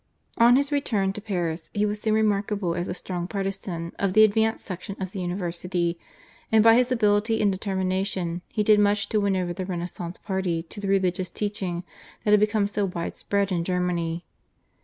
On his return to Paris he was soon remarkable as a strong partisan of the advanced section of the university, and by his ability and determination he did much to win over the Renaissance party to the religious teaching that had become so widespread in Germany.